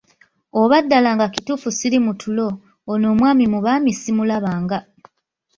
Oba ddala nga kituufu sili mu ttulo, ono omwami mu baami simulabanga!